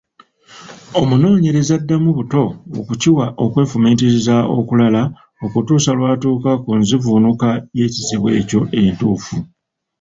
Omunoonyereza addamu buto okukiwa okwefumiitiriza okulala okutuusa lw’atuuka ku nzivuunuka y’ekizibu ekyo entuufu.